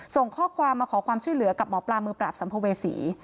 ส่งข้อความมาขอความช่วยเหลือกับหมอปลามือปราบสัมภเวษี